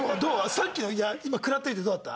さっきの今食らっておいてどうだった？